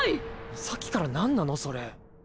さっきからなんなのそれ？